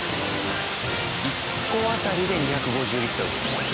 １個当たりで２５０リットル。